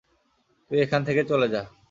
তুই এখান থেকে চলে যা!